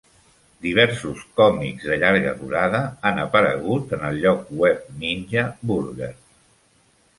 Diversos còmics de llarga durada han aparegut en el lloc web ninja Burger.